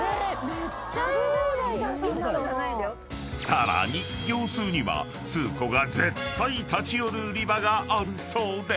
［さらに業スーにはスー子が絶対立ち寄る売り場があるそうで］